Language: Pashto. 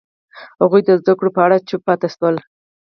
هغوی د زده کړو په اړه چوپ پاتې شول.